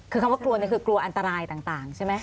คือคำว่ากลัวเนี่ยคือกลัวอันตรายต่างใช่ไหม